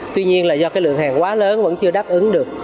tuy nhiên là do cái lượng hàng quá lớn vẫn chưa đáp ứng được